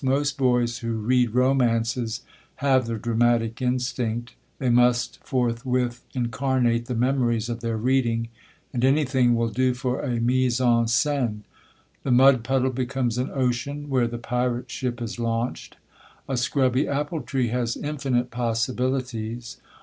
Most boys who read romances have the dramatic instinct; they must forthwith incarnate the memories of their reading, and anything will do for a mise en scene. The mudpuddle becomes an ocean, where the pirate ship is launched; a scrubby apple tree has infinite possibilities.